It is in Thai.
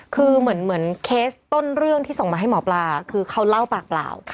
คือเหมือนเคสต้นเรื่องที่ส่งมาให้หมอปลาคือเขาเล่าปากเปล่า